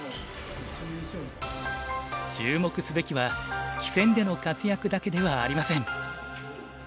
注目すべきは棋戦での活躍だけではありません。